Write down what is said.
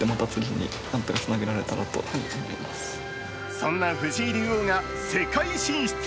そんな藤井竜王が世界進出。